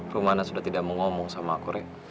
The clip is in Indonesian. rumana sudah tidak mau ngomong sama aku rek